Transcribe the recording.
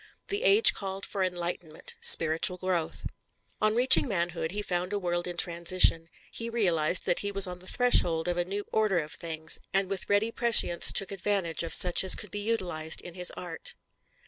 The age called for enlightenment, spiritual growth. On reaching manhood, he found a world in transition; he realized that he was on the threshold of a new order of things, and with ready prescience took advantage of such as could be utilized in his art.